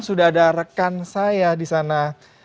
sudah ada rekan saya di sana